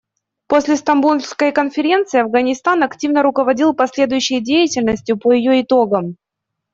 После Стамбульской конференции Афганистан активно руководил последующей деятельностью по ее итогам.